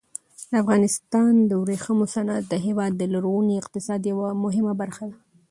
د افغانستان د ورېښمو صنعت د هېواد د لرغوني اقتصاد یوه مهمه برخه وه.